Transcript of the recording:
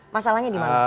masalahnya di mana